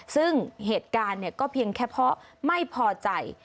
ซึ่งเหตุการณ์ก็เพียงแค่เพราะไม่พอใจ